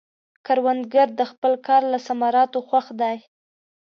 کروندګر د خپل کار له ثمراتو خوښ دی